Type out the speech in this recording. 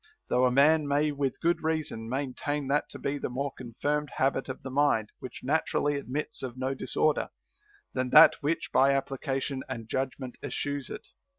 Though a man may with good reason maintain that to be the more confirmed habit of the mind which naturally admits of no disorder, than that which by application and judgment eschews it.